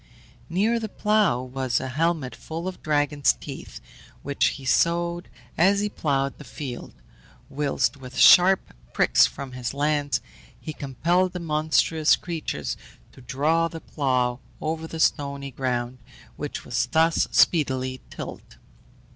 Near the plough was a helmet full of dragon's teeth, which he sowed as he ploughed the field, whilst with sharp pricks from his lance he compelled the monstrous creatures to draw the plough over the stony ground, which was thus speedily tilled.